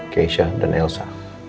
keisha dan elsa